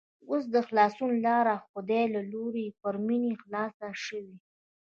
اوس د خلاصون لاره د خدای له لوري پر مينې خلاصه شوې